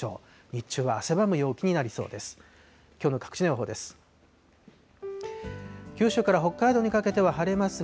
日中は汗ばむ陽気になりそうです。